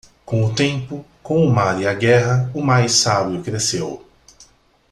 Com o tempo, com o mar e a guerra, o mais sábio cresceu.